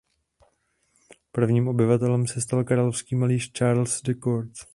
Prvním obyvatelem se stal královský malíř Charles du Court.